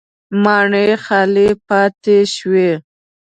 ماڼۍ خالي پاتې شوې.